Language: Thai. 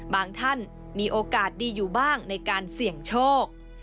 ท่านมีโอกาสดีอยู่บ้างในการเสี่ยงโชค